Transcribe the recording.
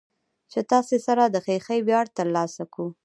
چې تاسې سره د خېښۍ وياړ ترلاسه کو.